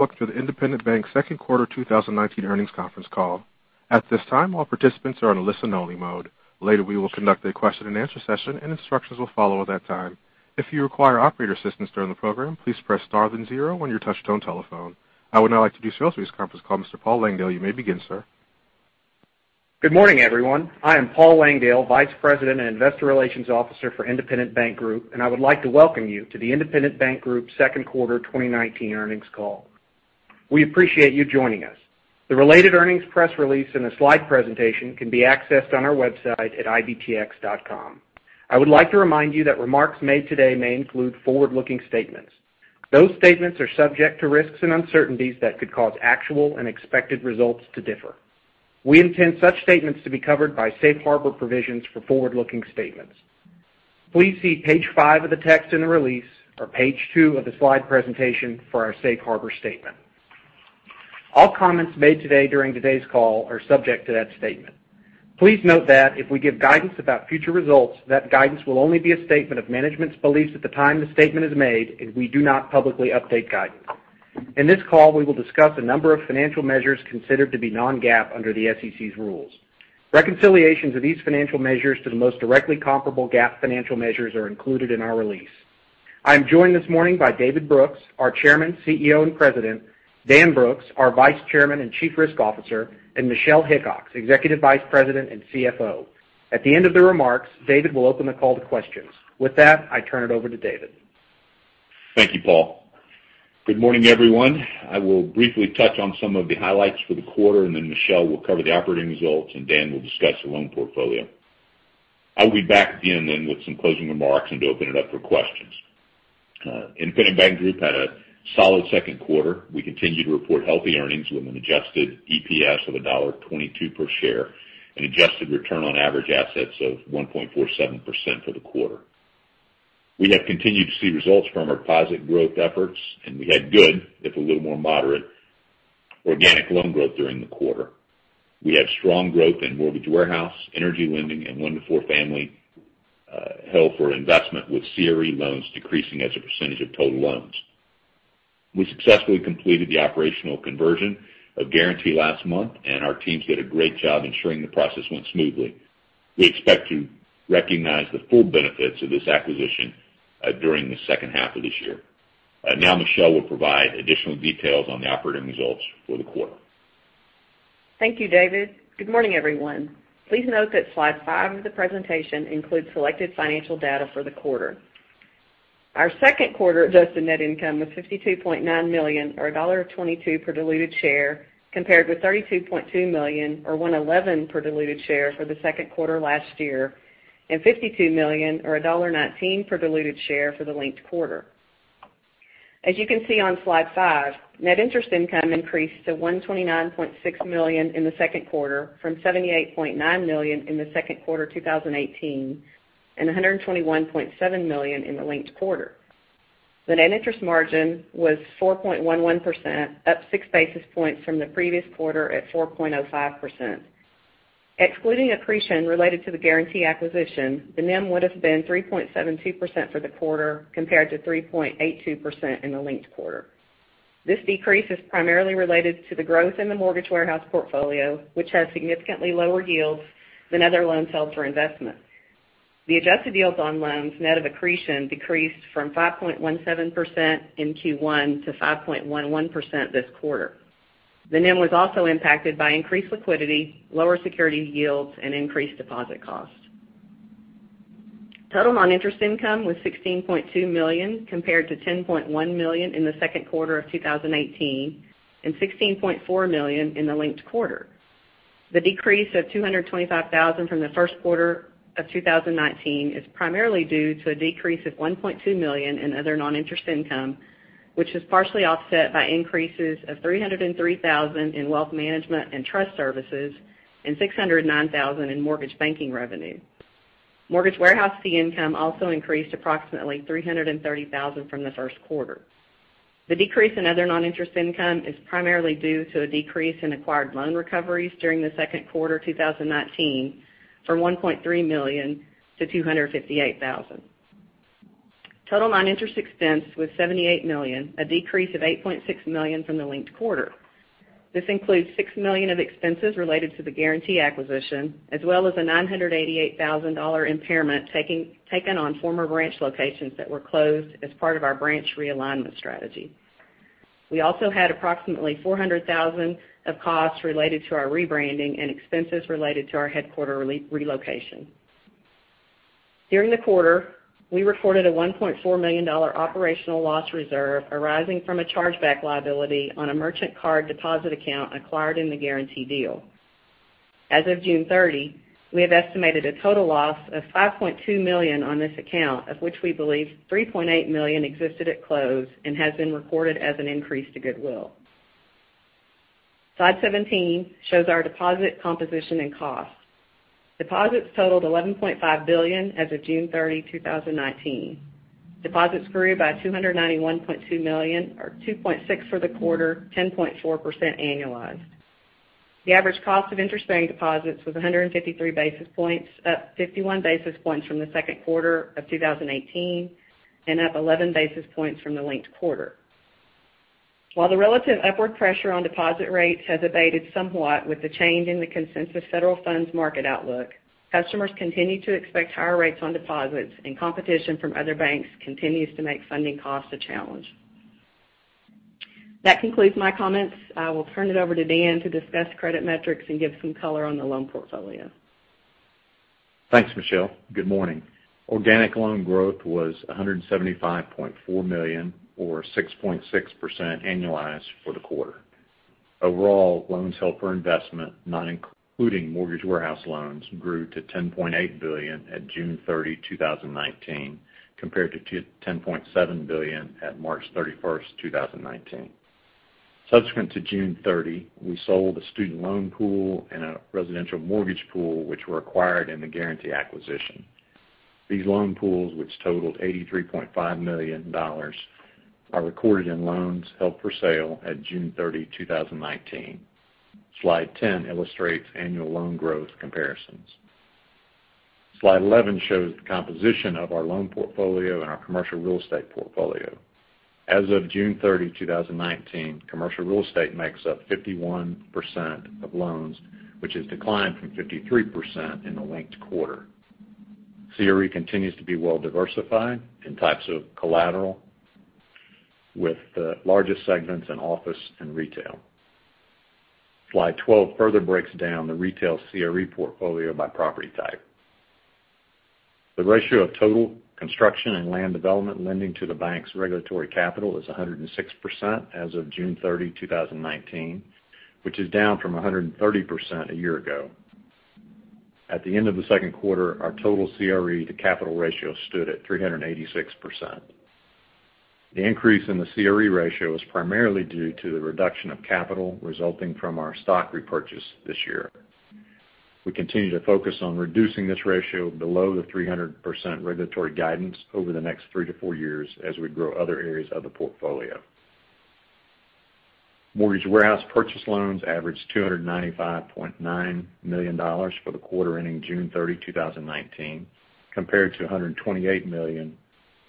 Welcome to the Independent Bank second quarter 2019 earnings conference call. At this time, all participants are on a listen only mode. Later, we will conduct a question and answer session, and instructions will follow at that time. If you require operator assistance during the program, please press star then zero on your touch-tone telephone. I would now like to introduce to this conference call Mr. Paul Langdale. You may begin, sir. Good morning, everyone. I am Paul Langdale, Vice President and Investor Relations Officer for Independent Bank Group, and I would like to welcome you to the Independent Bank Group second quarter 2019 earnings call. We appreciate you joining us. The related earnings press release and a slide presentation can be accessed on our website at ibtx.com. I would like to remind you that remarks made today may include forward-looking statements. Those statements are subject to risks and uncertainties that could cause actual and expected results to differ. We intend such statements to be covered by safe harbor provisions for forward-looking statements. Please see page five of the text in the release or page two of the slide presentation for our safe harbor statement. All comments made today during today's call are subject to that statement. Please note that if we give guidance about future results, that guidance will only be a statement of management's beliefs at the time the statement is made, and we do not publicly update guidance. In this call, we will discuss a number of financial measures considered to be non-GAAP under the SEC's rules. Reconciliations of these financial measures to the most directly comparable GAAP financial measures are included in our release. I am joined this morning by David Brooks, our Chairman, CEO, and President, Dan Brooks, our Vice Chairman and Chief Risk Officer, and Michelle Hickox, Executive Vice President and CFO. At the end of the remarks, David will open the call to questions. With that, I turn it over to David. Thank you, Paul. Good morning, everyone. I will briefly touch on some of the highlights for the quarter, and then Michelle will cover the operating results, and Dan will discuss the loan portfolio. I will be back at the end then with some closing remarks and to open it up for questions. Independent Bank Group had a solid second quarter. We continue to report healthy earnings with an adjusted EPS of $1.22 per share and adjusted return on average assets of 1.47% for the quarter. We have continued to see results from our deposit growth efforts, and we had good, if a little more moderate, organic loan growth during the quarter. We had strong growth in mortgage warehouse, energy lending, and one to four family held for investment, with CRE loans decreasing as a percentage of total loans. We successfully completed the operational conversion of Guaranty last month, and our teams did a great job ensuring the process went smoothly. We expect to recognize the full benefits of this acquisition during the second half of this year. Now Michelle will provide additional details on the operating results for the quarter. Thank you, David. Good morning, everyone. Please note that slide five of the presentation includes selected financial data for the quarter. Our second quarter adjusted net income was $52.9 million, or $1.22 per diluted share, compared with $32.2 million, or $1.11 per diluted share for the second quarter last year, and $52 million, or $1.19 per diluted share for the linked quarter. As you can see on slide five, net interest income increased to $129.6 million in the second quarter from $78.9 million in the second quarter 2018 and $121.7 million in the linked quarter. The net interest margin was 4.11%, up six basis points from the previous quarter at 4.05%. Excluding accretion related to the Guaranty acquisition, the NIM would've been 3.72% for the quarter, compared to 3.82% in the linked quarter. This decrease is primarily related to the growth in the mortgage warehouse portfolio, which has significantly lower yields than other loans held for investment. The adjusted yield on loans, net of accretion, decreased from 5.17% in Q1 to 5.11% this quarter. The NIM was also impacted by increased liquidity, lower security yields, and increased deposit costs. Total non-interest income was $16.2 million, compared to $10.1 million in the second quarter of 2018 and $16.4 million in the linked quarter. The decrease of $225,000 from the first quarter of 2019 is primarily due to a decrease of $1.2 million in other non-interest income, which was partially offset by increases of $303,000 in wealth management and trust services and $609,000 in mortgage banking revenue. Mortgage warehouse fee income also increased approximately $330,000 from the first quarter. The decrease in other non-interest income is primarily due to a decrease in acquired loan recoveries during the second quarter 2019 from $1.3 million to $258,000. Total non-interest expense was $78 million, a decrease of $8.6 million from the linked quarter. This includes $6 million of expenses related to the Guaranty acquisition, as well as a $988,000 impairment taken on former branch locations that were closed as part of our branch realignment strategy. We also had approximately $400,000 of costs related to our rebranding and expenses related to our headquarter relocation. During the quarter, we reported a $1.4 million operational loss reserve arising from a chargeback liability on a merchant card deposit account acquired in the Guaranty deal. As of June 30, we have estimated a total loss of $5.2 million on this account, of which we believe $3.8 million existed at close and has been recorded as an increase to goodwill. Slide 17 shows our deposit composition and costs. Deposits totaled $11.5 billion as of June 30, 2019. Deposits grew by $291.2 million, or $2.6 for the quarter, 10.4% annualized. The average cost of interest-bearing deposits was 153 basis points, up 51 basis points from the second quarter of 2018, and up 11 basis points from the linked quarter. While the relative upward pressure on deposit rates has abated somewhat with the change in the consensus federal funds market outlook, customers continue to expect higher rates on deposits and competition from other banks continues to make funding costs a challenge. That concludes my comments. I will turn it over to Dan to discuss credit metrics and give some color on the loan portfolio. Thanks, Michelle. Good morning. Organic loan growth was $175.4 million or 6.6% annualized for the quarter. Overall, loans held for investment, not including mortgage warehouse loans, grew to $10.8 billion at June 30, 2019, compared to $10.7 billion at March 31, 2019. Subsequent to June 30, we sold a student loan pool and a residential mortgage pool, which were acquired in the Guaranty acquisition. These loan pools, which totaled $83.5 million, are recorded in loans held for sale at June 30, 2019. Slide 10 illustrates annual loan growth comparisons. Slide 11 shows the composition of our loan portfolio and our commercial real estate portfolio. As of June 30, 2019, commercial real estate makes up 51% of loans, which has declined from 53% in the linked quarter. CRE continues to be well diversified in types of collateral, with the largest segments in office and retail. Slide 12 further breaks down the retail CRE portfolio by property type. The ratio of total construction and land development lending to the bank's regulatory capital is 106% as of June 30, 2019, which is down from 130% a year ago. At the end of the second quarter, our total CRE to capital ratio stood at 386%. The increase in the CRE ratio is primarily due to the reduction of capital resulting from our stock repurchase this year. We continue to focus on reducing this ratio below the 300% regulatory guidance over the next three to four years as we grow other areas of the portfolio. Mortgage warehouse purchase loans averaged $295.9 million for the quarter ending June 30, 2019, compared to $128 million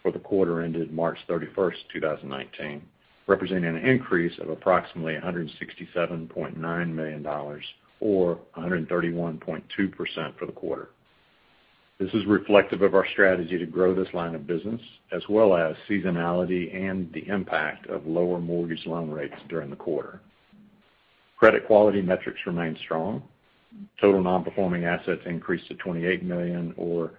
for the quarter ended March 31st, 2019, representing an increase of approximately $167.9 million or 131.2% for the quarter. This is reflective of our strategy to grow this line of business, as well as seasonality and the impact of lower mortgage loan rates during the quarter. Credit quality metrics remain strong. Total non-performing assets increased to $28 million or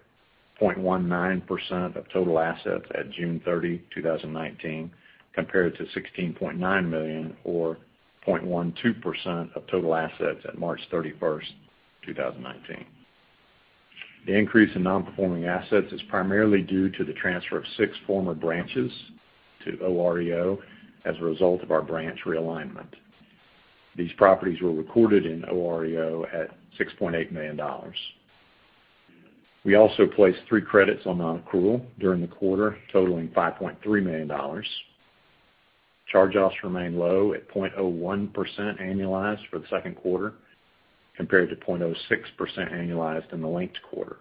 0.19% of total assets at June 30, 2019, compared to $16.9 million or 0.12% of total assets at March 31, 2019. The increase in non-performing assets is primarily due to the transfer of six former branches to OREO as a result of our branch realignment. These properties were recorded in OREO at $6.8 million. We also placed three credits on nonaccrual during the quarter, totaling $5.3 million. Charge-offs remain low at 0.01% annualized for the second quarter, compared to 0.06% annualized in the linked quarter.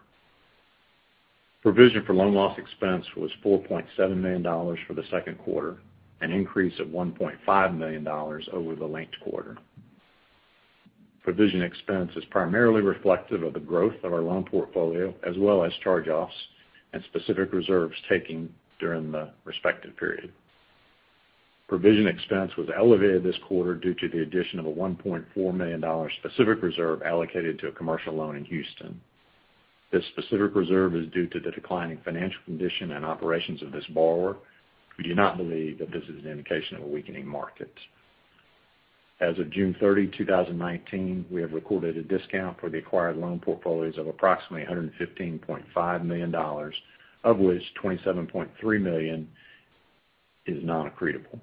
Provision for loan loss expense was $4.7 million for the second quarter, an increase of $1.5 million over the linked quarter. Provision expense is primarily reflective of the growth of our loan portfolio, as well as charge-offs and specific reserves taken during the respective period. Provision expense was elevated this quarter due to the addition of a $1.4 million specific reserve allocated to a commercial loan in Houston. This specific reserve is due to the declining financial condition and operations of this borrower. We do not believe that this is an indication of a weakening market. As of June 30, 2019, we have recorded a discount for the acquired loan portfolios of approximately $115.5 million, of which $27.3 million is nonaccretable.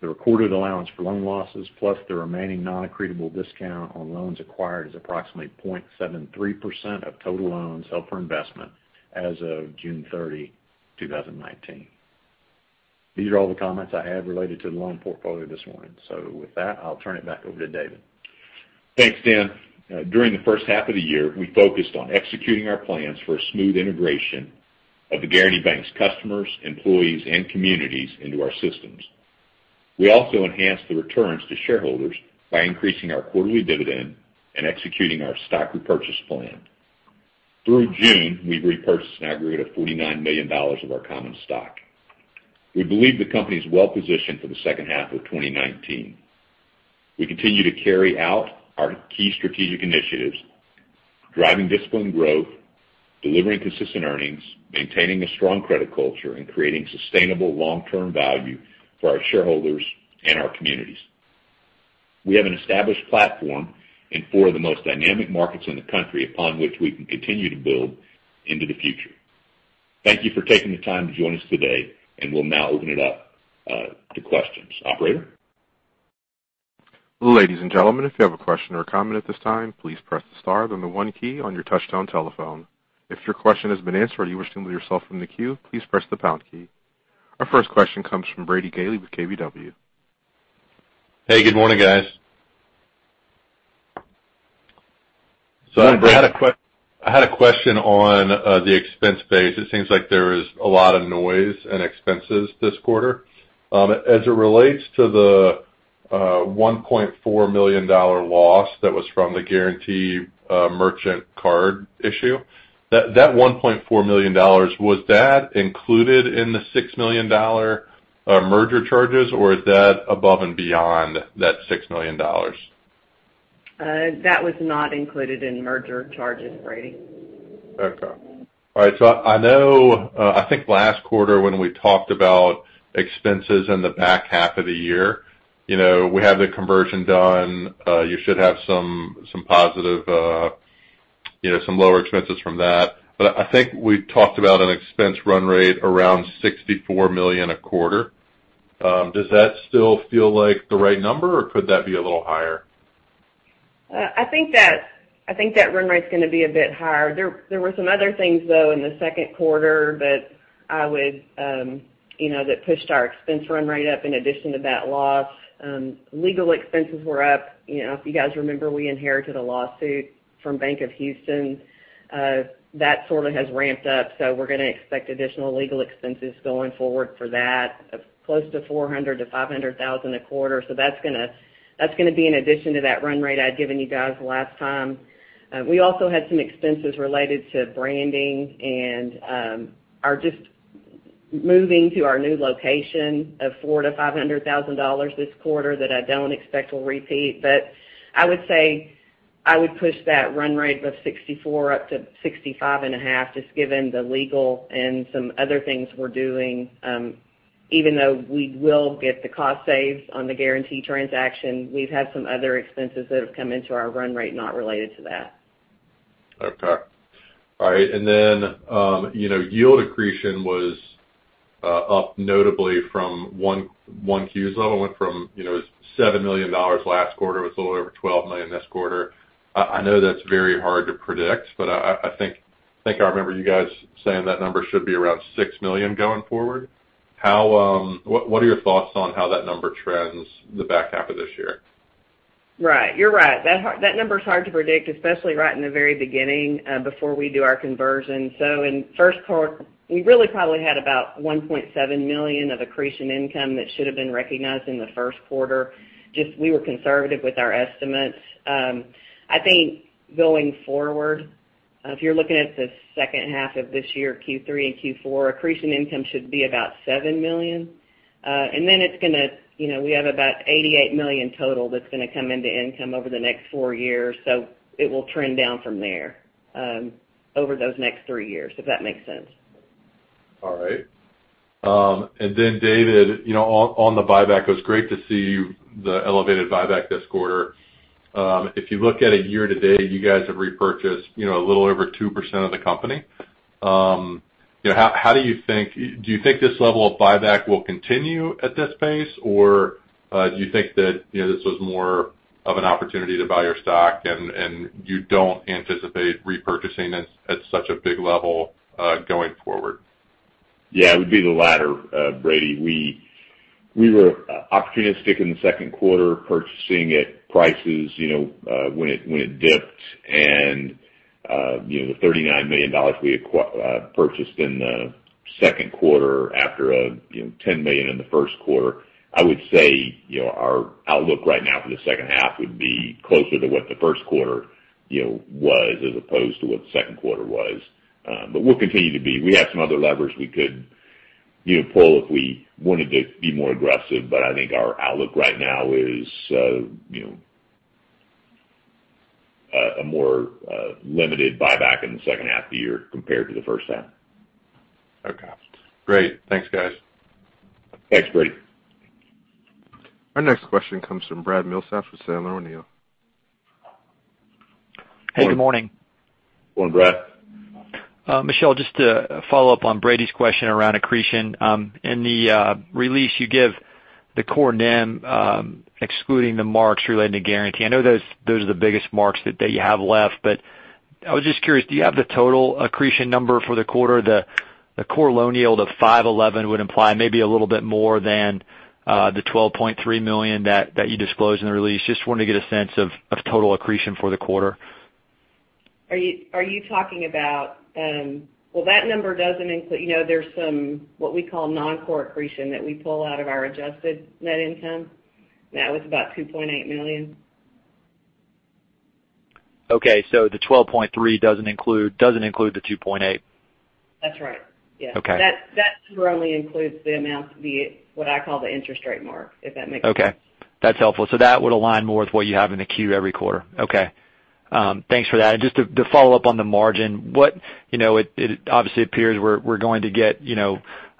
The recorded allowance for loan losses, plus the remaining nonaccretable discount on loans acquired, is approximately 0.73% of total loans held for investment as of June 30, 2019. These are all the comments I have related to the loan portfolio this morning. With that, I'll turn it back over to David. Thanks, Dan. During the first half of the year, we focused on executing our plans for a smooth integration of the Guaranty Bank's customers, employees, and communities into our systems. We also enhanced the returns to shareholders by increasing our quarterly dividend and executing our stock repurchase plan. Through June, we've repurchased an aggregate of $49 million of our common stock. We believe the company is well positioned for the second half of 2019. We continue to carry out our key strategic initiatives, driving disciplined growth, delivering consistent earnings, maintaining a strong credit culture, and creating sustainable long-term value for our shareholders and our communities. We have an established platform in four of the most dynamic markets in the country, upon which we can continue to build into the future. Thank you for taking the time to join us today, and we'll now open it up to questions. Operator? Ladies and gentlemen, if you have a question or comment at this time, please press the star, then the one key on your touchtone telephone. If your question has been answered or you wish to remove yourself from the queue, please press the pound key. Our first question comes from Brady Gailey with KBW. Hey, good morning, guys. Good morning, Brady. I had a question on the expense base. It seems like there is a lot of noise in expenses this quarter. As it relates to the $1.4 million loss that was from the Guaranty merchant card issue, that $1.4 million, was that included in the $6 million merger charges, or is that above and beyond that $6 million? That was not included in merger charges, Brady. Okay. All right. I know, I think last quarter when we talked about expenses in the back half of the year, we have the conversion done. You should have some positive, some lower expenses from that. I think we talked about an expense run rate around $64 million a quarter. Does that still feel like the right number, or could that be a little higher? I think that run rate's going to be a bit higher. There were some other things, though, in the second quarter that pushed our expense run rate up in addition to that loss. Legal expenses were up. If you guys remember, we inherited a lawsuit from Bank of Houston. That sort of has ramped up, so we're going to expect additional legal expenses going forward for that of close to $400,000-$500,000 a quarter. That's going to be in addition to that run rate I'd given you guys last time. We also had some expenses related to branding and are just moving to our new location of $400,000-$500,000 this quarter that I don't expect will repeat. I would say I would push that run rate of $64 up to $65 and a half, just given the legal and some other things we're doing. Even though we will get the cost saves on the Guaranty transaction, we've had some other expenses that have come into our run rate not related to that. Okay. All right. Then yield accretion was up notably from 1 Q's level. It went from $7 million last quarter. It was a little over $12 million this quarter. I know that's very hard to predict, I think I remember you guys saying that number should be around $6 million going forward. What are your thoughts on how that number trends the back half of this year? Right. You're right. That number's hard to predict, especially right in the very beginning, before we do our conversion. In the first quarter, we really probably had about $1.7 million of accretion income that should have been recognized in the first quarter. Just we were conservative with our estimates. I think going forward, if you're looking at the second half of this year, Q3 and Q4, accretion income should be about $7 million. We have about $88 million total that's going to come into income over the next four years. It will trend down from there over those next three years, if that makes sense. All right. David, on the buyback, it was great to see the elevated buyback this quarter. If you look at it year-to-date, you guys have repurchased a little over 2% of the company. Do you think this level of buyback will continue at this pace, or do you think that this was more of an opportunity to buy your stock and you don't anticipate repurchasing at such a big level going forward? Yeah, it would be the latter, Brady. We were opportunistic in the second quarter, purchasing at prices when it dipped and the $39 million we had purchased in the second quarter after $10 million in the first quarter. I would say our outlook right now for the second half would be closer to what the first quarter was as opposed to what the second quarter was. We'll continue to be. We have some other levers we could pull if we wanted to be more aggressive. I think our outlook right now is a more limited buyback in the second half of the year compared to the first half. Okay, great. Thanks, guys. Thanks, Brady. Our next question comes from Brad Milsaps with Sandler O'Neill. Hey, good morning. Good morning, Brad. Michelle, just to follow up on Brady's question around accretion. In the release you give the core NIM excluding the marks relating to Guaranty. I know those are the biggest marks that you have left, but I was just curious, do you have the total accretion number for the quarter? The core loan yield of 511 would imply maybe a little bit more than the $12.3 million that you disclosed in the release. Just wanted to get a sense of total accretion for the quarter. Well, there's some, what we call non-core accretion that we pull out of our adjusted net income. That was about $2.8 million. Okay, the $12.3 doesn't include the $2.8? That's right. Yeah. Okay. That number only includes the amount, what I call the interest rate mark, if that makes sense. Okay. That's helpful. That would align more with what you have in the Q every quarter. Okay. Thanks for that. Just to follow up on the margin, it obviously appears we're going to get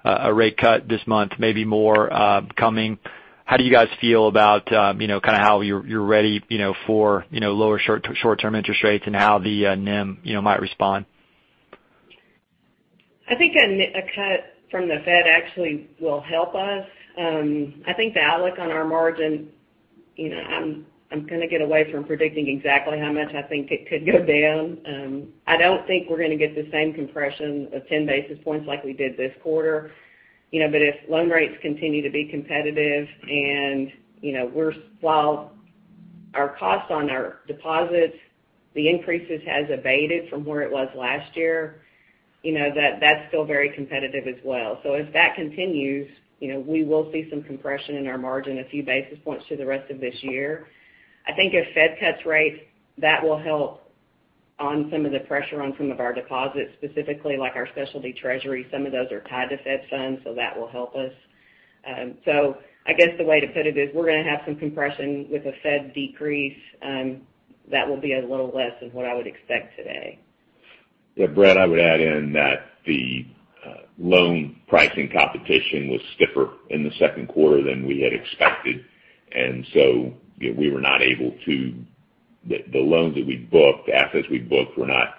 a rate cut this month, maybe more coming. How do you guys feel about how you're ready for lower short-term interest rates and how the NIM might respond? I think a cut from the Fed actually will help us. I think the outlook on our margin. I'm going to get away from predicting exactly how much I think it could go down. I don't think we're going to get the same compression of 10 basis points like we did this quarter. If loan rates continue to be competitive, and while our cost on our deposits, the increases has abated from where it was last year, that's still very competitive as well. If that continues, we will see some compression in our margin, a few basis points through the rest of this year. I think if Fed cuts rates, that will help on some of the pressure on some of our deposits, specifically like our specialty treasury. Some of those are tied to Fed funds, so that will help us. I guess the way to put it is we're going to have some compression with a Fed decrease. That will be a little less than what I would expect today. Yeah, Brad, I would add in that the loan pricing competition was stiffer in the second quarter than we had expected. The loans that we booked, the assets we booked, were not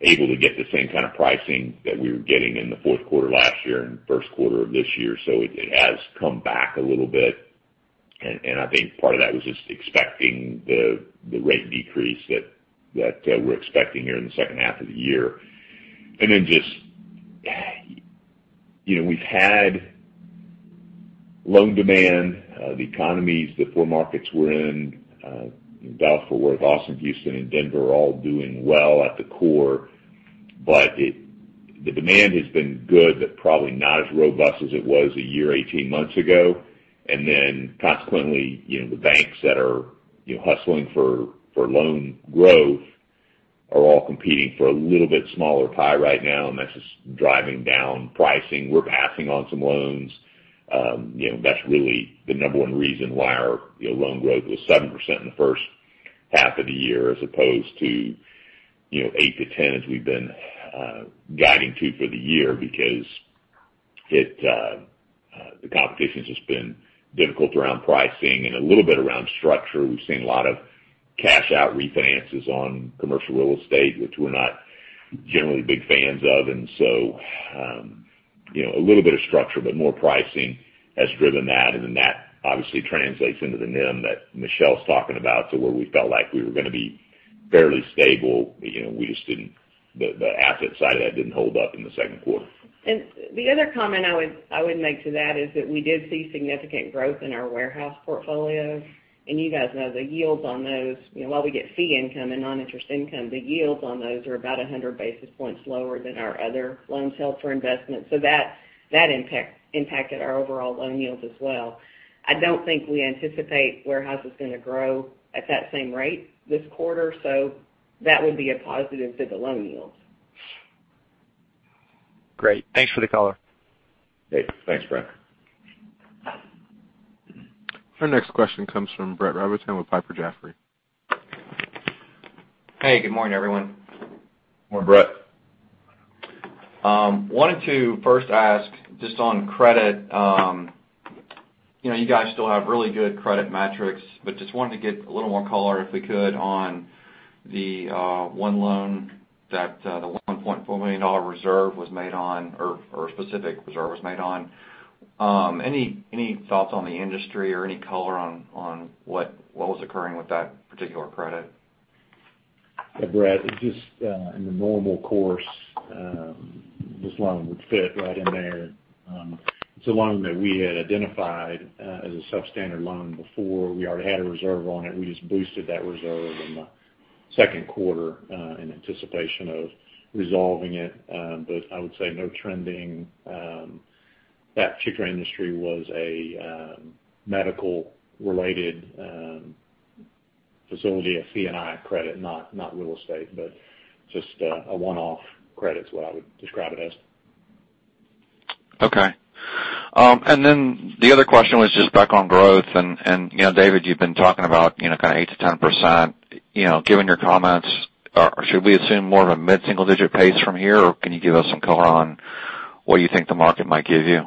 able to get the same kind of pricing that we were getting in the fourth quarter last year and first quarter of this year. It has come back a little bit, and I think part of that was just expecting the rate decrease that we're expecting here in the second half of the year. We've had loan demand. The economies, the four markets we're in Dallas, Fort Worth, Austin, Houston, and Denver, are all doing well at the core. The demand has been good, but probably not as robust as it was a year, 18 months ago. Consequently, the banks that are hustling for loan growth are all competing for a little bit smaller pie right now, and that's just driving down pricing. We're passing on some loans. That's really the number one reason why our loan growth was 7% in the first half of the year as opposed to 8%-10% as we've been guiding to for the year because the competition's just been difficult around pricing and a little bit around structure. We've seen a lot of cash out refinances on commercial real estate, which we're not generally big fans of. A little bit of structure, but more pricing has driven that. That obviously translates into the NIM that Michelle's talking about to where we felt like we were going to be fairly stable. The asset side of that didn't hold up in the second quarter. The other comment I would make to that is that we did see significant growth in our warehouse portfolio. You guys know the yields on those. While we get fee income and non-interest income, the yields on those are about 100 basis points lower than our other loans held for investment. That impacted our overall loan yields as well. I don't think we anticipate warehouse is going to grow at that same rate this quarter, that would be a positive to the loan yields. Great. Thanks for the color. Thanks, Brad. Our next question comes from Brett Rabatin with Piper Jaffray. Hey, good morning, everyone. Good morning, Brett. wanted to first ask just on credit. You guys still have really good credit metrics, but just wanted to get a little more color, if we could, on the one loan that the $1.4 million reserve was made on, or a specific reserve was made on. Any thoughts on the industry or any color on what was occurring with that particular credit? Yeah, Brett, it's just in the normal course, this loan would fit right in there. It's a loan that we had identified as a substandard loan before. We already had a reserve on it. We just boosted that reserve in the second quarter in anticipation of resolving it. I would say no trending. That particular industry was a medical-related facility, a C&I credit, not real estate, but just a one-off credit is what I would describe it as. Okay. The other question was just back on growth. David, you've been talking about kind of 8%-10%. Given your comments, should we assume more of a mid-single digit pace from here, or can you give us some color on what you think the market might give you?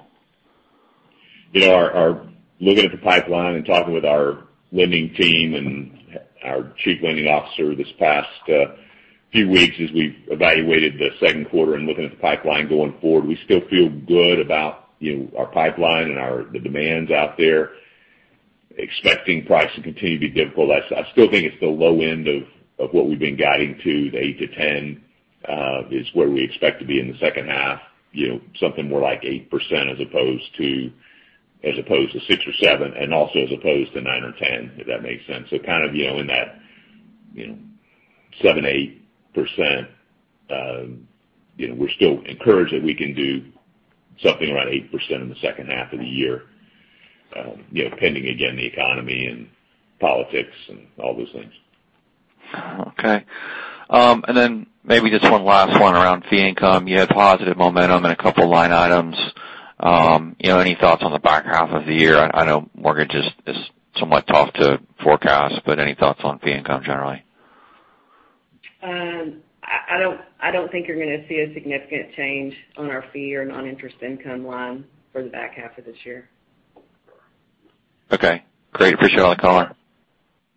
Our looking at the pipeline and talking with our lending team and our chief lending officer this past few weeks as we've evaluated the second quarter and looking at the pipeline going forward, we still feel good about our pipeline and the demands out there. Expecting price to continue to be difficult. I still think it's the low end of what we've been guiding to, the 8%-10% is where we expect to be in the second half. Something more like 8% as opposed to six or seven, and also as opposed to nine or 10, if that makes sense. Kind of in that seven, 8%, we're still encouraged that we can do something around 8% in the second half of the year. Pending again, the economy and politics and all those things. Okay. Maybe just one last one around fee income. You had positive momentum in a couple line items. Any thoughts on the back half of the year? I know mortgage is somewhat tough to forecast, but any thoughts on fee income generally? I don't think you're going to see a significant change on our fee or non-interest income line for the back half of this year. Okay. Greatly appreciate all the color.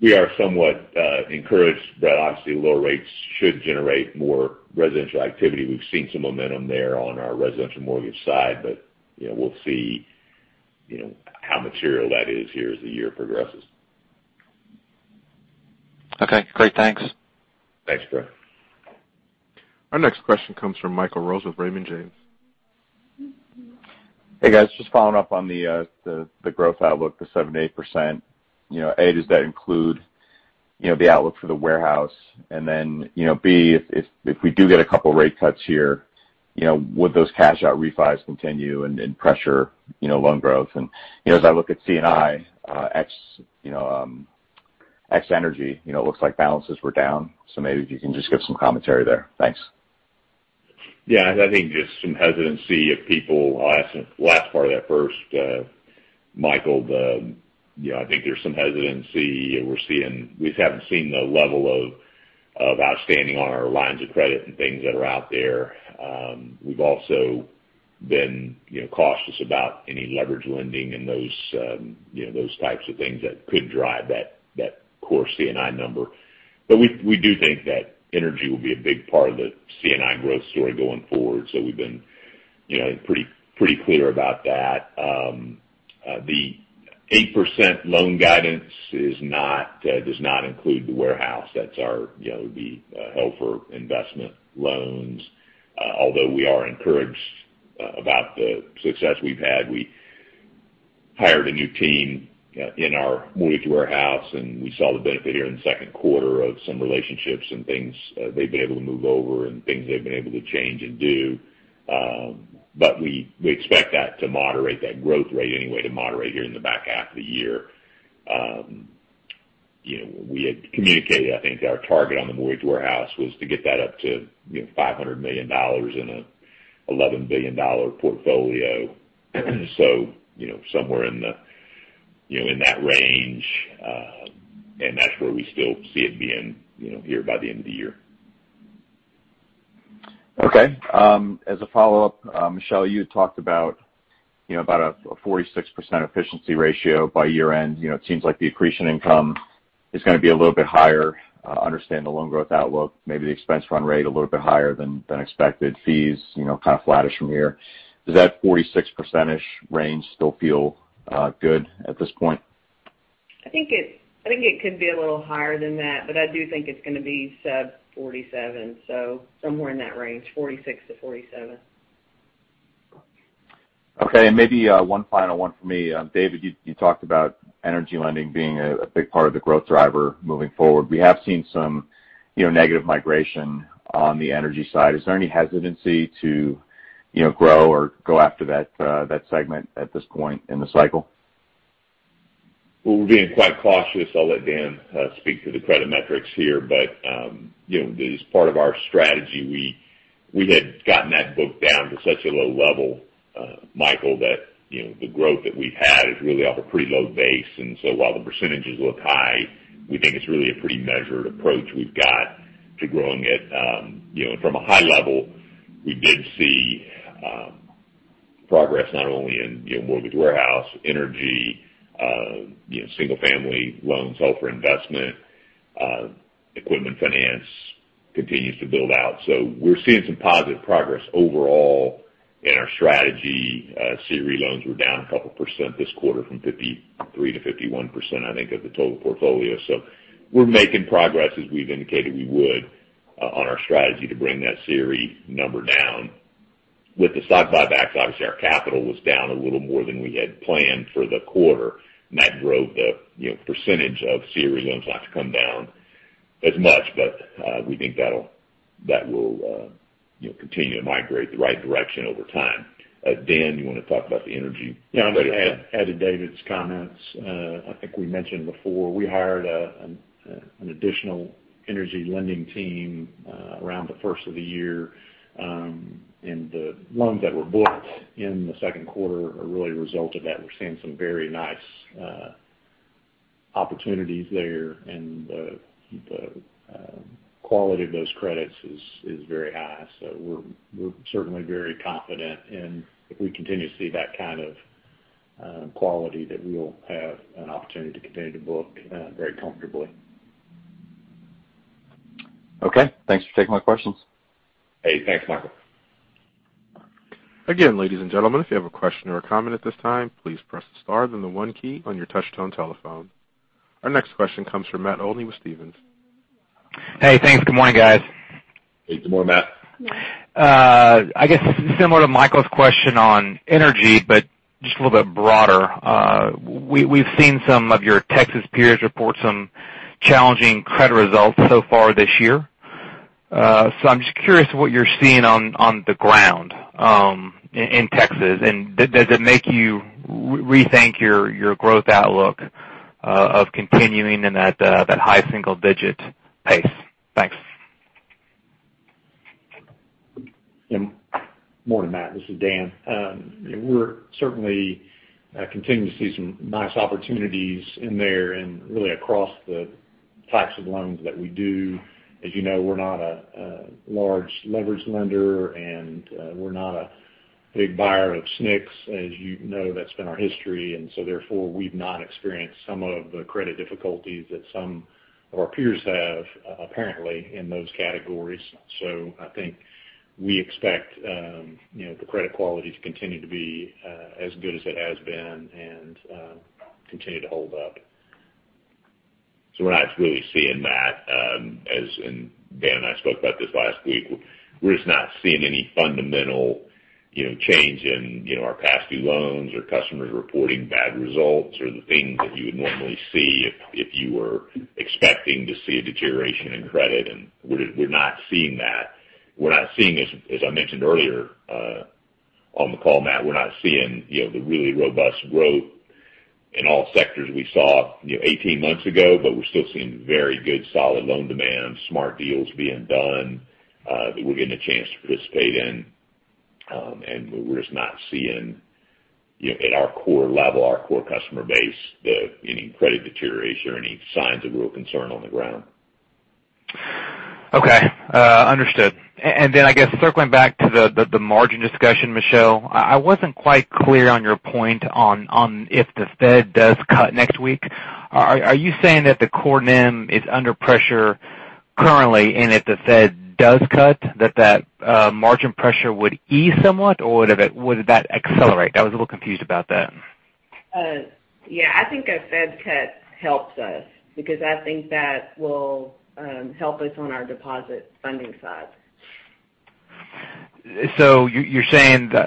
We are somewhat encouraged that, obviously, lower rates should generate more residential activity. We've seen some momentum there on our residential mortgage side, but we'll see how material that is here as the year progresses. Okay, great. Thanks. Thanks, Brett. Our next question comes from Michael Rose with Raymond James. Hey, guys. Just following up on the growth outlook, the 78%. A, does that include the outlook for the warehouse? B, if we do get a couple of rate cuts here, would those cash-out refis continue and pressure loan growth? As I look at C&I, ex energy, it looks like balances were down. Maybe if you can just give some commentary there. Thanks. Yeah. I think just some hesitancy of people. The last part of that first, Michael, I think there's some hesitancy. We just haven't seen the level of outstanding on our lines of credit and things that are out there. We've also been cautious about any leverage lending and those types of things that could drive that core C&I number. We do think that energy will be a big part of the C&I growth story going forward. We've been pretty clear about that. The 8% loan guidance does not include the warehouse. That's the held-for-investment loans. Although we are encouraged about the success we've had. We hired a new team in our mortgage warehouse, and we saw the benefit here in the second quarter of some relationships and things they've been able to move over and things they've been able to change and do. We expect that to moderate, that growth rate anyway, to moderate here in the back half of the year. We had communicated, I think, our target on the mortgage warehouse was to get that up to $500 million in an $11 billion portfolio. Somewhere in that range. That's where we still see it being here by the end of the year. As a follow-up, Michelle, you talked about a 46% efficiency ratio by year-end. It seems like the accretion income is going to be a little bit higher. I understand the loan growth outlook, maybe the expense run rate a little bit higher than expected. Fees, kind of flattish from here. Does that 46%-ish range still feel good at this point? I think it could be a little higher than that. I do think it's going to be sub 47. Somewhere in that range, 46-47. Okay. Maybe one final one from me. David, you talked about energy lending being a big part of the growth driver moving forward. We have seen some negative migration on the energy side. Is there any hesitancy to grow or go after that segment at this point in the cycle? We're being quite cautious. I'll let Dan speak to the credit metrics here. As part of our strategy, we had gotten that book down to such a low level, Michael, that the growth that we've had is really off a pretty low base. While the percentages look high, we think it's really a pretty measured approach we've got to growing it. From a high level, we did see progress not only in mortgage warehouse, energy, single-family loans, held for investment. Equipment finance continues to build out. We're seeing some positive progress overall in our strategy. CRE loans were down a couple of % this quarter from 53% to 51%, I think, of the total portfolio. We're making progress, as we've indicated we would, on our strategy to bring that CRE number down. With the stock buybacks, obviously, our capital was down a little more than we had planned for the quarter, and that drove the percentage of CRE loans not to come down as much. We think that will continue to migrate the right direction over time. Dan, you want to talk about the energy credit? Yeah. To add to David's comments, I think we mentioned before, we hired an additional energy lending team around the first of the year. The loans that were booked in the second quarter are really a result of that. We're seeing some very nice opportunities there, and the quality of those credits is very high. We're certainly very confident. If we continue to see that kind of quality, that we'll have an opportunity to continue to book very comfortably. Okay. Thanks for taking my questions. Hey. Thanks, Michael. Ladies and gentlemen, if you have a question or a comment at this time, please press star then the one key on your touch-tone telephone. Our next question comes from Matt Olney with Stephens. Hey, thanks. Good morning, guys. Hey. Good morning, Matt. Good morning. I guess similar to Michael's question on energy, just a little bit broader. We've seen some of your Texas peers report some challenging credit results so far this year. I'm just curious what you're seeing on the ground in Texas, and does it make you rethink your growth outlook of continuing in that high single-digit pace? Thanks. Good morning, Matt. This is Dan. We're certainly continuing to see some nice opportunities in there and really across the types of loans that we do. As you know, we're not a large leverage lender, and we're not a big buyer of SNCs. As you know, that's been our history. Therefore, we've not experienced some of the credit difficulties that some of our peers have, apparently, in those categories. I think we expect the credit quality to continue to be as good as it has been and continue to hold up. We're not really seeing that. Dan and I spoke about this last week. We're just not seeing any fundamental change in our past due loans or customers reporting bad results or the things that you would normally see if you were expecting to see a deterioration in credit, and we're not seeing that. We're not seeing, as I mentioned earlier, on the call, Matt, we're not seeing the really robust growth in all sectors we saw 18 months ago, but we're still seeing very good, solid loan demand, smart deals being done, that we're getting a chance to participate in. We're just not seeing in our core level, our core customer base, any credit deterioration or any signs of real concern on the ground. Okay, understood. I guess circling back to the margin discussion, Michelle, I wasn't quite clear on your point on if the Fed does cut next week. Are you saying that the core NIM is under pressure currently, and if the Fed does cut, that that margin pressure would ease somewhat, or would that accelerate? I was a little confused about that. Yeah, I think a Fed cut helps us because I think that will help us on our deposit funding side.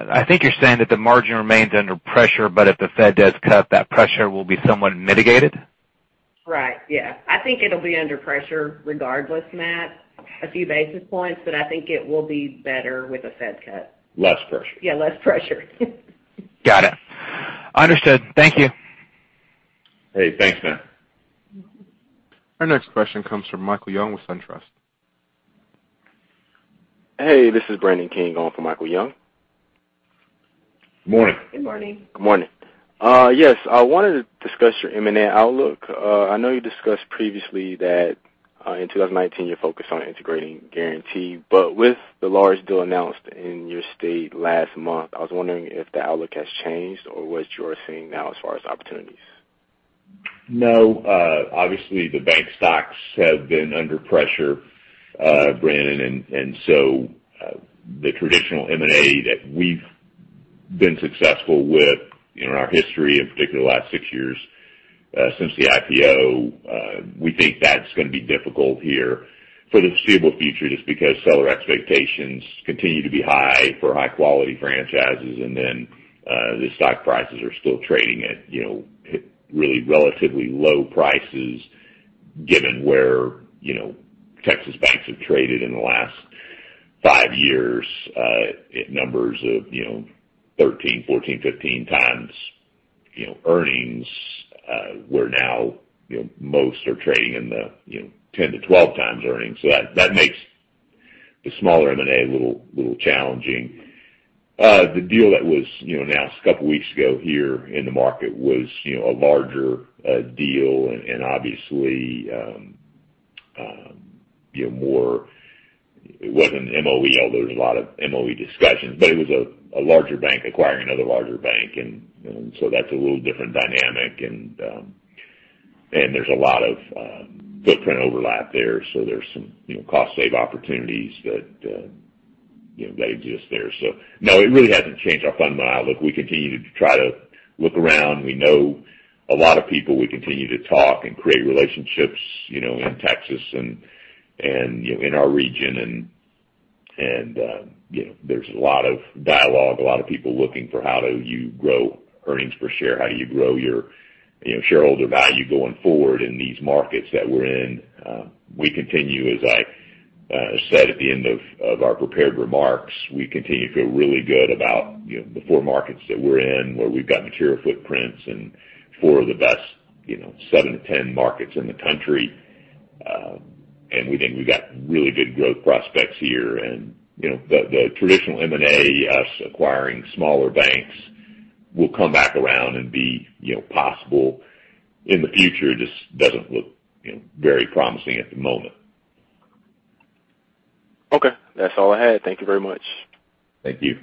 I think you're saying that the margin remains under pressure, but if the Fed does cut, that pressure will be somewhat mitigated? Right. Yeah. I think it'll be under pressure regardless, Matt, a few basis points, but I think it will be better with a Fed cut. Less pressure. Yeah, less pressure. Got it. Understood. Thank you. Hey, thanks, Matt. Our next question comes from Michael Young with SunTrust. Hey, this is Brandon King on for Michael Young. Morning. Good morning. Good morning. Yes, I wanted to discuss your M&A outlook. I know you discussed previously that in 2019, you're focused on integrating Guaranty, but with the large deal announced in your state last month, I was wondering if the outlook has changed or what you are seeing now as far as opportunities. No. Obviously, the bank stocks have been under pressure, Brandon, the traditional M&A that we've been successful with in our history, in particular, the last six years, since the IPO, we think that's going to be difficult here for the foreseeable future, just because seller expectations continue to be high for high-quality franchises. The stock prices are still trading at really relatively low prices, given where Texas banks have traded in the last five years, at numbers of 13, 14, 15 times earnings, where now most are trading in the 10-12 times earnings. That makes the smaller M&A a little challenging. The deal that was announced a couple of weeks ago here in the market was a larger deal. Obviously, it wasn't an MOE, although there's a lot of MOE discussions. It was a larger bank acquiring another larger bank. That's a little different dynamic. There's a lot of footprint overlap there. There's some cost save opportunities that exist there. No, it really hasn't changed our fundamental outlook. We continue to try to look around. We know a lot of people. We continue to talk and create relationships in Texas and in our region. There's a lot of dialogue, a lot of people looking for how do you grow earnings per share, how you grow your shareholder value going forward in these markets that we're in. We continue, as I said at the end of our prepared remarks, we continue to feel really good about the four markets that we're in, where we've got material footprints and four of the best 7-10 markets in the country. We think we've got really good growth prospects here. The traditional M&A, us acquiring smaller banks, will come back around and be possible in the future. It just doesn't look very promising at the moment. Okay. That's all I had. Thank you very much. Thank you.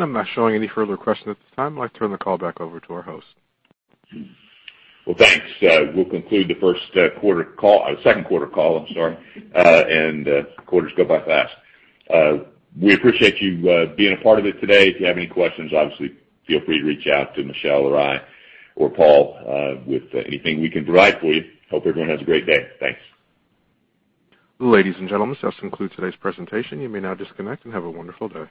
I'm not showing any further questions at this time. I'd like to turn the call back over to our host. Well, thanks. We'll conclude the second quarter call, I'm sorry. Quarters go by fast. We appreciate you being a part of it today. If you have any questions, obviously, feel free to reach out to Michelle or I or Paul with anything we can provide for you. Hope everyone has a great day. Thanks. Ladies and gentlemen, this concludes today's presentation. You may now disconnect, and have a wonderful day.